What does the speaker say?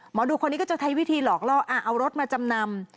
หมอดูคนนี้ก็จะใช้วิธีหลอกล่อเอารถมาจำนำ